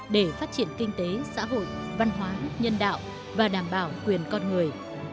để phát triển kinh tế xã hội văn hóa nhân đạo và đảm bảo quyền con người